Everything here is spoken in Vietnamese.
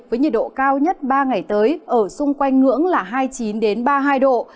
với nhiệt độ cao nhất ba ngày tới ở xung quanh ngưỡng là hai mươi chín ba mươi hai độ